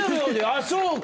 あっそうか。